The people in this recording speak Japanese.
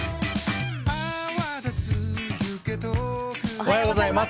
おはようございます。